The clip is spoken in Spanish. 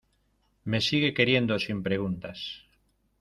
me sigue queriendo sin preguntas